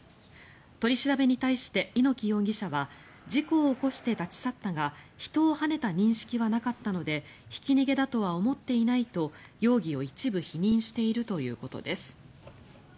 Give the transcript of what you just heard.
取り調べに対して猪木容疑者は事故を起こして立ち去ったが人をはねた認識はなかったのでひき逃げだとは思っていないと容疑を一部否認しているということです。